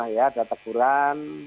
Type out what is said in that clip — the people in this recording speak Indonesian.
ya ada teguran